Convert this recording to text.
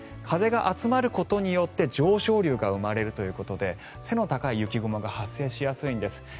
風が集まることによって上昇流が生まれるということで背の高い雪雲が発生しやすいんです。